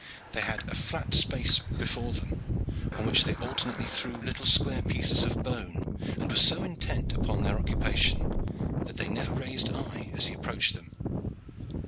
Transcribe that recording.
They had a flat space before them, on which they alternately threw little square pieces of bone, and were so intent upon their occupation that they never raised eye as he approached them.